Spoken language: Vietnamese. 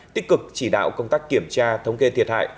tích cực chỉ đạo công tác kiểm tra thống kê thiệt hại